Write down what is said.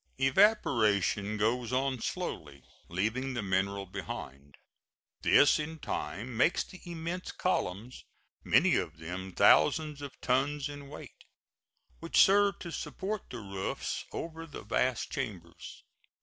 Evaporation goes on slowly, leaving the mineral behind. This in time makes the immense columns, many of them thousands of tons in weight, which serve to support the roofs over the vast chambers.